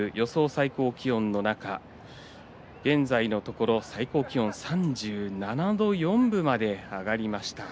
最高気温の中現在のところ最高気温３７度４分まで上がりました。